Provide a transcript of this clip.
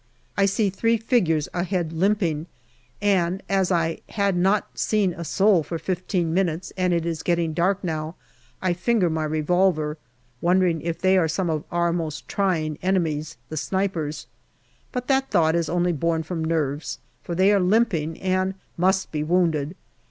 I see three figures ahead limping, and as I had not seen a soul for fifteen minutes and it is getting dark now, I finger my revolver, wondering if they are some of our most trying enemies, the snipers. But that thought is only born from nerves, for they are limping and must be wounded.